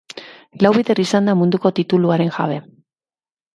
Lau bider izan da munduko tituluaren jabe.